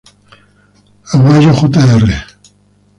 Aguayo Jr.